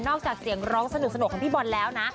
จากเสียงร้องสนุกของพี่บอลแล้วนะ